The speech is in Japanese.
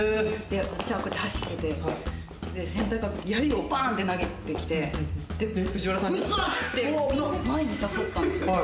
私が走ってて、先輩がやりをバン！って投げてきて、ブスって、前にささったんですよ。